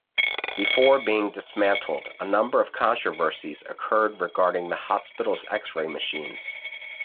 Before being dismantled, a number of controversies occurred regarding the hospital's X-ray machines.